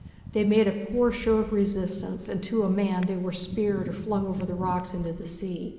They made a poor show of resistance, and to a man they were speared or flung over the rocks into the sea.